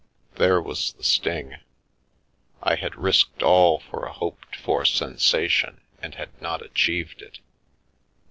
" There was the sting — I had risked all for a hoped for sensation and had not achieved it.